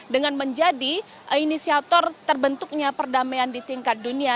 dengan menjadi inisiator terbentuknya perdamaian di tingkat dunia